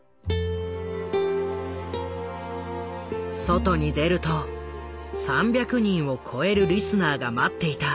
外に出ると３００人を超えるリスナーが待っていた。